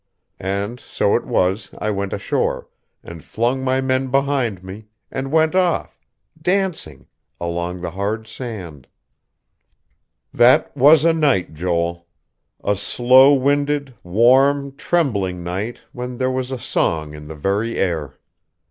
And so it was I went ashore, and flung my men behind me, and went off, dancing, along the hard sand. "That was a night, Joel. A slow winded, warm, trembling night when there was a song in the very air.